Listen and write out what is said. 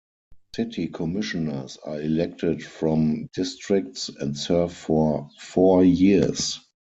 City commissioners are elected from districts and serve for four years.